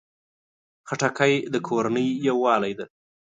خټکی د کورنۍ یووالي ده.